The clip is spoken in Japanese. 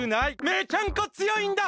めちゃんこ強いんだ！